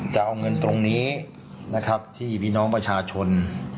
จะเอาเงินตรงนี้นะครับที่พี่น้องประชาชน